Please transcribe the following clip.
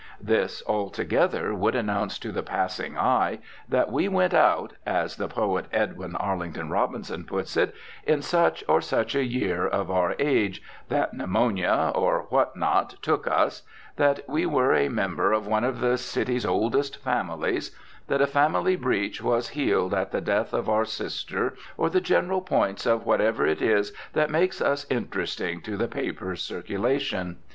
This, altogether, would announce to the passing eye that we went out (as the poet, Edwin Arlington Robinson, puts it) in such or such a year of our age, that pneumonia, or what not, "took" us, that we were a member of one of the city's oldest families, that a family breach was healed at the death of our sister, or the general points of whatever it is that makes us interesting to the paper's circulation.